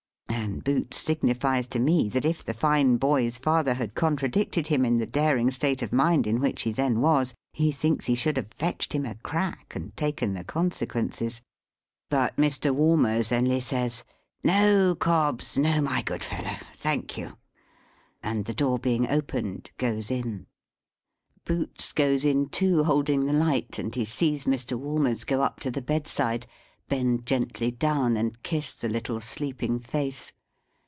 And Boots signifies to me, that, if the fine boy's father had contradicted him in the daring state of mind in which he then was, he thinks he should have "fetched him a crack," and taken the consequences. But Mr. Walmers only says, "No, Cobbs. No, my good fellow. Thank you!" And, the door being opened, goes in. Boots goes in too, holding the light, and he sees Mr. Walmers go up to the bedside, bend gently down, and kiss the little sleeping face.